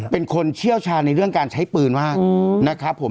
เป็นคนเชี่ยวชาญในเรื่องการใช้ปืนมากนะครับผม